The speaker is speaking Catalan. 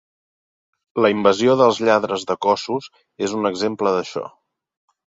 "La invasió dels lladres de cossos" és un exemple d'això.